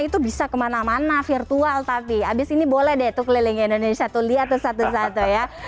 itu bisa kemana mana virtual tapi abis ini boleh deh tuh keliling indonesia tuh lihat tuh satu satu ya